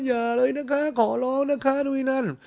อย่าเลยนะคะขอร้องนะคะนู่นนั่น